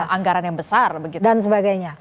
anggaran yang besar dan sebagainya